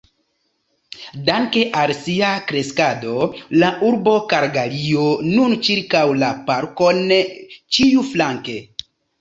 Danke al sia kreskado, la urbo Kalgario nun ĉirkaŭ la parkon ĉiuflanke.